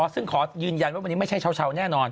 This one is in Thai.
ซึ่งขอยืนยันว่าวันนี้ไม่ใช่เช้าแน่นอน